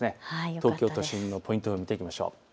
東京都心のポイント予報見ていきましょう。